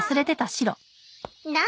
何？